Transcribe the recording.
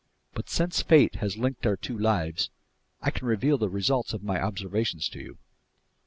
But since fate has linked our two lives, I can reveal the results of my observations to you."